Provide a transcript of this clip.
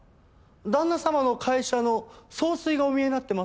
旦那様の会社の総帥がお見えになってますよ。